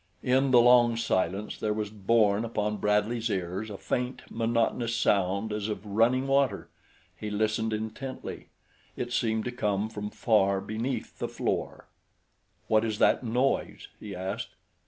In the long silence there was born upon Bradley's ears a faint, monotonous sound as of running water. He listened intently. It seemed to come from far beneath the floor. "What is that noise?" he asked.